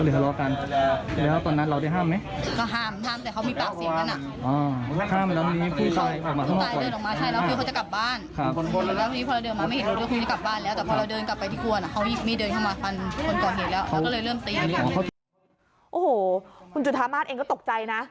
โอ้โหคุณจุธามาสเองก็ตกใจนะ